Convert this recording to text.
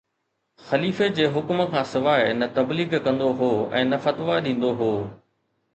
خليفي جي حڪم کان سواءِ نه تبليغ ڪندو هو ۽ نه فتويٰ ڏيندو هو